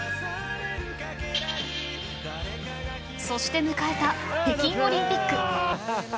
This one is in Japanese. そして迎えた北京オリンピック。